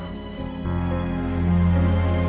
ini memang istrinya